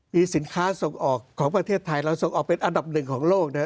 มีสินค้าส่งออกของประเทศไทยเราส่งออกเป็นอันดับหนึ่งของโลกนะครับ